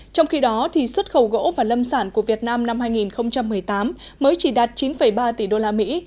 trong khi đó xuất khẩu gỗ và lâm sản của việt nam năm hai nghìn một mươi tám mới chỉ đạt chín ba tỷ đô la mỹ